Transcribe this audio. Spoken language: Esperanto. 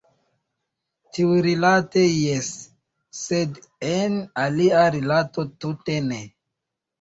Tiurilate jes, sed en alia rilato tute ne.